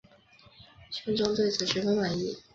宣宗对此十分满意。